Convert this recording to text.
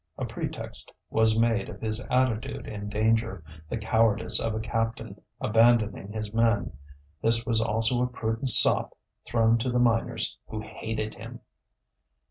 A pretext was made of his attitude in danger, the cowardice of a captain abandoning his men. This was also a prudent sop thrown to the miners, who hated him.